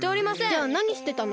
じゃあなにしてたの？